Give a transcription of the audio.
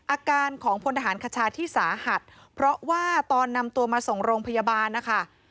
อาการของพลทหารคชาที่สาหัสเพราะว่าตอนนำตัวมาส่งโรงพยาบาลนะคะ